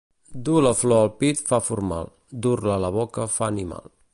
Dur la flor al pit fa formal, dur-la a la boca fa animal.